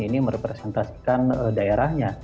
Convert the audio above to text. ini merepresentasikan daerahnya